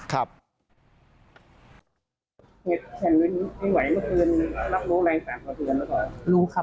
เห็นทุนไม่ไหวเมื่อคืนรับรู้แรงสั่นสะเทือนหรือเปล่า